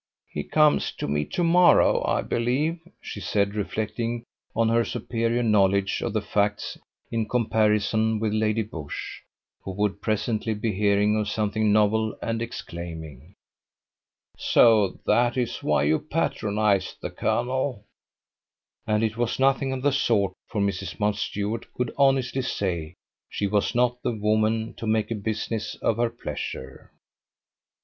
"He comes to me to morrow, I believe," she said, reflecting on her superior knowledge of facts in comparison with Lady Busshe, who would presently be hearing of something novel, and exclaiming: "So, that is why you patronized the colonel!" And it was nothing of the sort, for Mrs. Mountstuart could honestly say she was not the woman to make a business of her pleasure.